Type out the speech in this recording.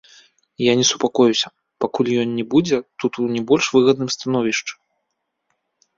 Я не супакоюся, пакуль ён не будзе тут у не больш выгадным становішчы.